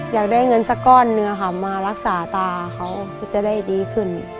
อยากได้เงินสักก้อนหนึ่งมารักษาตาเขาจะได้ดีขึ้น